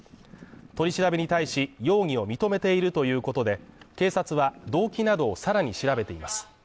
取り調べに対し容疑を認めているということで警察は動機などをさらに調べています。